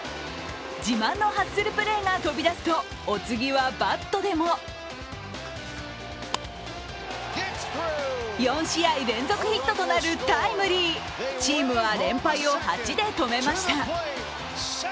自慢のハッスルプレーが飛び出すとお次はバットでも４試合連続ヒットとなるタイムリーチームは連敗を８で止めました。